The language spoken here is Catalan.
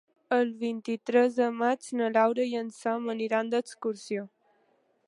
El vint-i-tres de maig na Laura i en Sam aniran d'excursió.